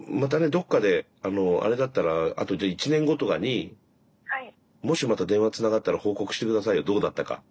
どっかであれだったらあとじゃあ１年後とかにもしまた電話つながったら報告して下さいよどうだったか。